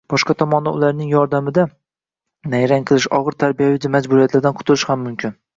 boshqa tomondan ularning yordamida nayrang qilish, og‘ir tarbiyaviy majburiyatlardan qutulish ham mumkin.